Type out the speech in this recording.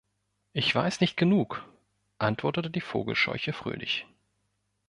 „Ich weiß nicht genug”, antwortete die Vogelscheuche fröhlich.